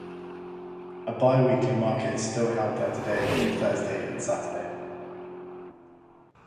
A bi-weekly market is still held there today on Thursday and Saturday.